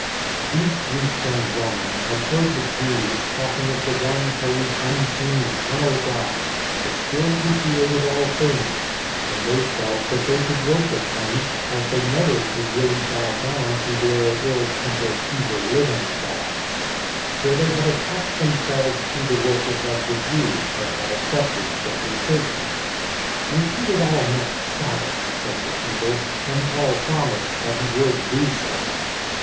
These Greeks and Romans had heard the Jews 136 THE FORWARD TREAD talking of the one holy unseen eternal God — the Spirit Who created all things; and they felt that they could worship Him, as they never could really bow down to their ill tempered, evil living gods. So they had attached themselves to the worship of the Jews and had accepted circumcision. " Repeat it all next Sabbath," said the people; and Paul promised that he would do so.